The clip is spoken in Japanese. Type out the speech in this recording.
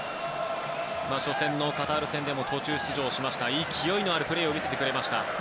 初戦のカタール戦でも途中出場して勢いのあるプレーを見せてくれました。